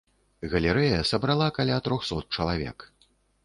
Галерэя сабрала каля трохсот чалавек.